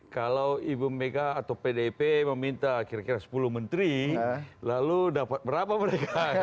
kalau ibu mega atau pdip meminta kira kira sepuluh menteri lalu dapat berapa mereka